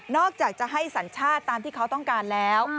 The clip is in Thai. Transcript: อกจากจะให้สัญชาติตามที่เขาต้องการแล้ว